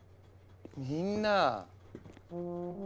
みんな。